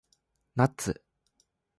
ナッツ